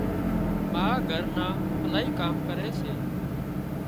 ما گھر نان الاهي ڪام ڪري سي